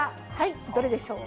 どれでしょう？